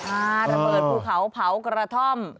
ระเบิดภูเขาเผากระท่อม